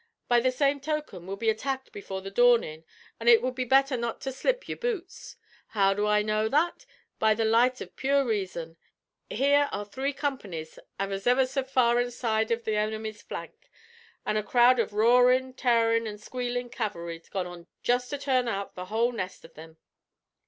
By the same token, we'll be attacked before the dawnin', an' ut would be betther not to slip your boots. How do I know that? By the light av pure reason. Here are three companies av us ever so far inside av the enemy's flank, an' a crowd av roarin', t'arin', an' squealin' cavalry gone on just to turn out the whole nest av thim.